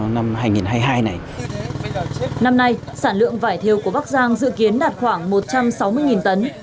năm nay sản lượng vải thiều của bắc giang dự kiến đạt khoảng một trăm sáu mươi tấn